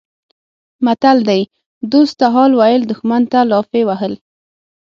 متل دی: دوست ته حال ویل دښمن ته لافې وهل